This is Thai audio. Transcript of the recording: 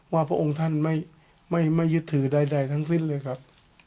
พระองค์ท่านไม่ยึดถือใดทั้งสิ้นเลยครับ